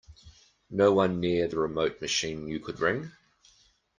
No one near the remote machine you could ring?